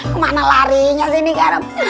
kemana larinya sini garam